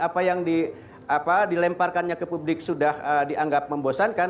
apa yang dilemparkannya ke publik sudah dianggap membosankan